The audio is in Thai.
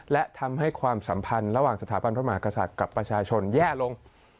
และทำให้ความสัมพันธ์ระหว่างสถาบันพระมหากษัตริย์กับประชาชนแย่ลง